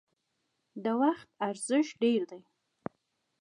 د وخت ارزښت ډیر دی